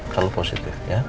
selalu positif ya